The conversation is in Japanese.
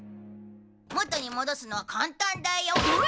もとに戻すのは簡単だよ。